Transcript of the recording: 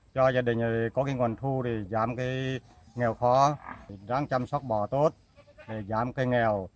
cho gia đình có cái nguồn thu thì giảm cái nghèo khó dám chăm sóc bò tốt để giảm cái nghèo